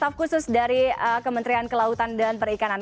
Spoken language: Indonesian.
staff khusus dari kementerian kelautan dan perikanan